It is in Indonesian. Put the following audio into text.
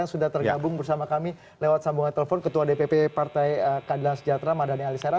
yang sudah tergabung bersama kami lewat sambungan telepon ketua dpp partai keadilan sejahtera mardani alisera